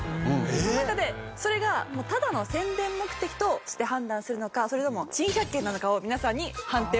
その中でそれがただの宣伝目的として判断するのかそれとも珍百景なのかを皆さんに判定をしてもらいます。